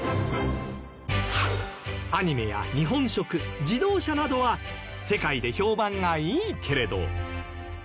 アニメや日本食自動車などは世界で評判がいいけれど